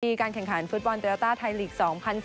ในการแข่งขันฟุตบอลเตอราต้าไทยลีกส์๒๐๑๗